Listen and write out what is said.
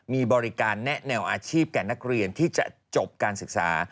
มีบริการแนะแนวอาชีพแก่นักเรียนที่จะจบการศึกษา